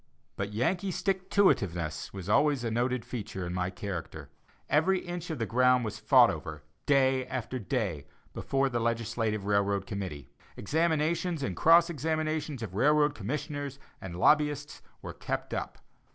But "Yankee stick to it iveness" was always a noted feature in my character. Every inch of the ground was fought over, day after day, before the legislative railroad committee. Examinations and cross examinations of railroad commissioners and lobbyists were kept up.